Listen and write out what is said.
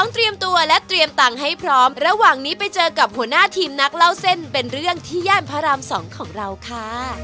เตรียมตัวและเตรียมตังค์ให้พร้อมระหว่างนี้ไปเจอกับหัวหน้าทีมนักเล่าเส้นเป็นเรื่องที่ย่านพระราม๒ของเราค่ะ